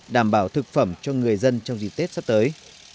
đảm bảo thực phẩm cho người dân trong dịp tết sắp tới